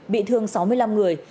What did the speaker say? bị thương sáu mươi năm người